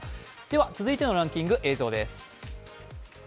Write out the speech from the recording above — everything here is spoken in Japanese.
続いてのランキング、映像です。